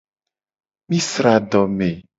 Mi sra adome.